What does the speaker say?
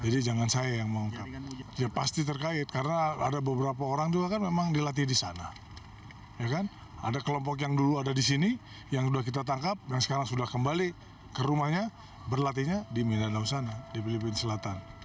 di sini yang sudah kita tangkap yang sekarang sudah kembali ke rumahnya berlatihnya di milano sana di filipina selatan